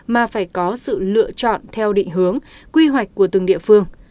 mà phải có sự lựa chọn theo định hướng quy hoạch của từng địa phương